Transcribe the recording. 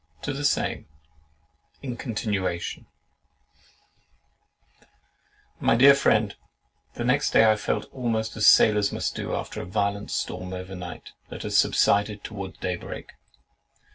TO THE SAME (In continuation) My dear Friend, The next day I felt almost as sailors must do after a violent storm over night, that has subsided towards daybreak.